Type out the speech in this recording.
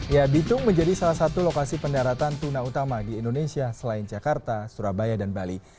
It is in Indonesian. ya bitung menjadi salah satu lokasi pendaratan tuna utama di indonesia selain jakarta surabaya dan bali